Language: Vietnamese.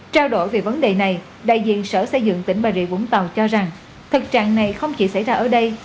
trao đổi về vấn đề này đại diện sở xây dựng tỉnh mà rịu vũng tàu cho rằng thật trạng này không chỉ xảy ra ở đây